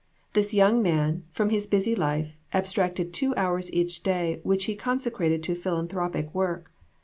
This young man, from his busy life, abstracted two hours each day which he consecrated to phil anthropic work.